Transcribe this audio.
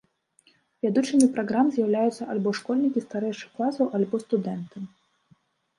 Вядучымі праграм з'яўляюцца альбо школьнікі старэйшых класаў, альбо студэнты.